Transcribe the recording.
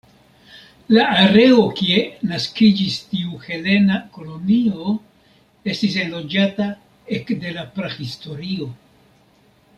La areo kie naskiĝis tiu helena kolonio estis enloĝata ekde la prahistorio.